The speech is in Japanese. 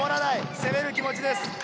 攻める気持ちです。